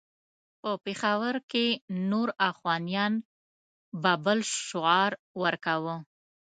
په پېښور کې نور اخوانیان به بل شعار ورکاوه.